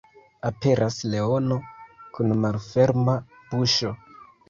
Aperas leono kun malferma buŝo.